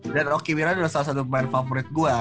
dan rocky wiran adalah salah satu pemain favorit gue